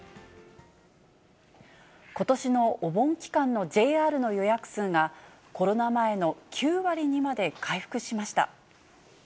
ことしのお盆期間のＪＲの予約数が、コロナ前の９割にまで回復しました。